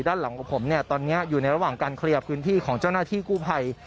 ด้านหลังของผมเนี่ยตอนนี้อยู่ในระหว่างการเคลียร์พื้นที่ของเจ้าหน้าที่กู้ภัย